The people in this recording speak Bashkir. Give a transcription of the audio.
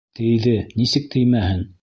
Тейҙе, нисек теймәһен.